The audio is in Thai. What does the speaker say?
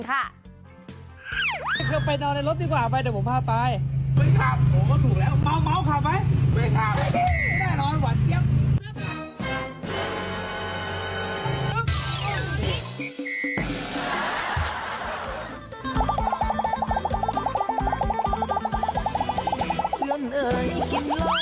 เธอไปนอนในรถดีกว่าเอาไปเดี๋ยวผมพาไป